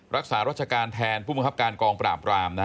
รักษารัชการแทนผู้มังคับการกองปราบราม